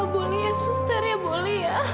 boleh ya suster ya boleh ya